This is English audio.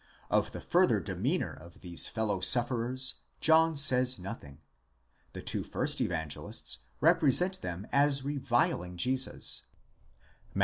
Of the further demeanour of these fellow sufferers, John says nothing; the two first Evangelists represent them as reviling Jesus (Matt.